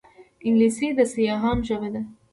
انګلیسي د سیاحانو ژبه ده